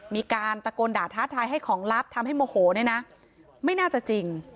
มีการตะโกนด่าท้าทายให้ของลับทำให้โมโหเนี่ยนะไม่น่าจะจริง